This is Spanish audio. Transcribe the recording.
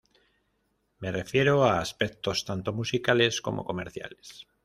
Me refiero a aspectos tanto musicales como comerciales.